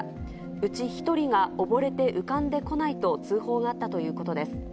うち１人が溺れて浮かんでこないと、通報があったということです。